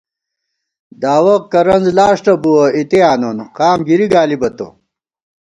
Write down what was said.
داوَہ کرنزلاݭٹہ بُوَہ، اِتےآنون قام گِری گالِبہ تو